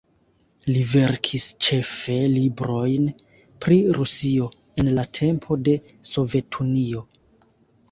Li verkis ĉefe librojn pri Rusio en la tempo de Sovetunio.